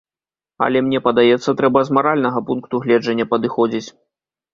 Але мне падаецца, трэба з маральнага пункту гледжання падыходзіць.